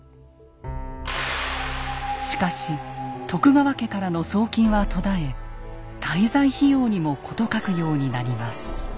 しかし徳川家からの送金は途絶え滞在費用にも事欠くようになります。